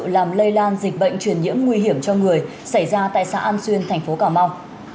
làm lây lan dịch bệnh truyền nhiễm nguy hiểm cho người xảy ra tại xã an xuyên thành phố cà mau